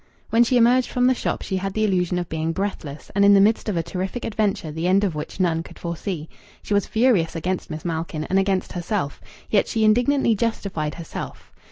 When she emerged from the shop she had the illusion of being breathless, and in the midst of a terrific adventure the end of which none could foresee. She was furious against Miss Malkin and against herself. Yet she indignantly justified herself.